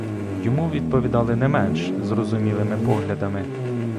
Йому відповідали не менш зрозумілими поглядами.